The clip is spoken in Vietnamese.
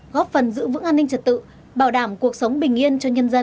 góp phần giữ vững an ninh trật tự bảo đảm cuộc sống bình yên cho nhân dân trên địa bàn